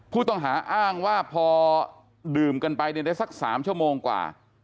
ผู้ต้องหาอ้างว่าพอดื่มกันไปเนี่ยได้สัก๓ชั่วโมงกว่า